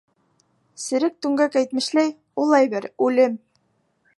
Серек Түңгәк әйтмешләй, ул әйбер — үлем.